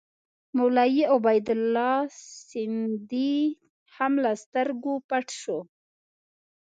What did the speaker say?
مولوي عبیدالله سندي هم له سترګو پټ شو.